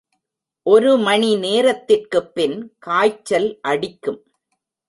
ஒரு மணி நேரத்திற்குப் பின் காய்ச்சல் அடிக்கும்.